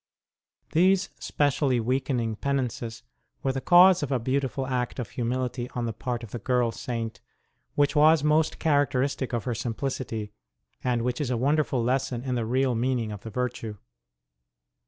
These specially weakening penances were the cause of a beautiful act of humility on the part of the girl Saint which was most characteristic of her simplicity, and which is a wonderful lesson in the real meaning of the virtue.